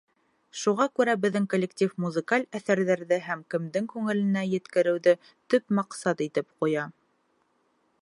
Шуға күрә беҙҙең коллектив музыкаль әҫәрҙәрҙе һәр кемдең күңеленә еткереүҙе төп маҡсат итеп ҡуя.